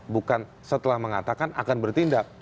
bukan setelah mengatakan akan bertindak